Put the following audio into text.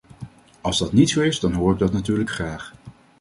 Als dat niet zo is dan hoor ik dat natuurlijk graag.